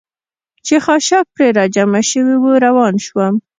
چې خاشاک پرې را جمع شوي و، روان ووم.